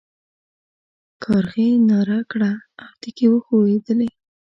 کارغې ناره کړه او تيږې وښوېدلې.